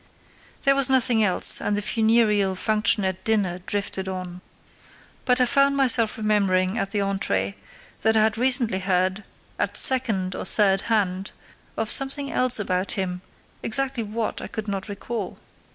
There was nothing else, and the funereal function of dinner drifted on. But I found myself remembering at the entrée that I had recently heard, at second or third hand, of something else about him—exactly what I could not recall.